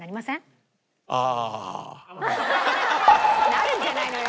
なるんじゃないのよ！